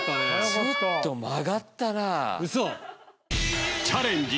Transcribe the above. ちょっと曲がったな・嘘？